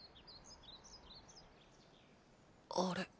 あれ？